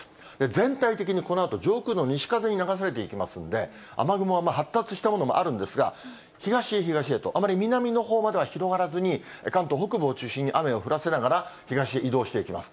全体的にこのあと、上空の西風に流されていきますんで、雨雲は発達したものもあるんですが、東へ東へと、あまり南のほうまでは広がらずに、関東北部を中心に雨を降らせながら、東へ移動していきます。